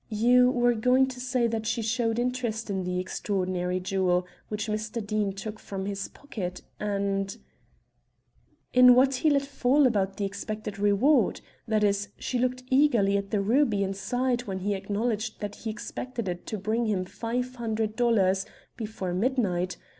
You were going to say she showed interest in the extraordinary jewel which Mr. Deane took from his pocket and " "In what he let fall about the expected reward. That is, she looked eagerly at the ruby and sighed when he acknowledged that he expected it to bring him five hundred dollars before midnight.